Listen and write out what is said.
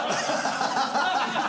ハハハハ！